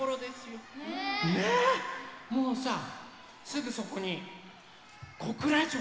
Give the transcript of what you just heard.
もうさすぐそこに小倉城。